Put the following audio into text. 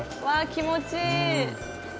わあ気持ちいい！